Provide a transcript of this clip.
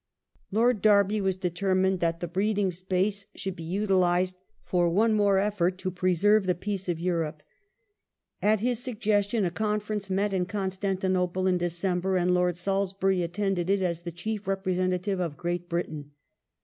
Lord Derby was determined that the breathing space should Confer be utilized for one more effort to preserve the peace of Europe, r^^^f ^ti At his suggestion a conference met at Constantinople in December, nople and Lord Salisbury attended it as the chief representative of Great Britain.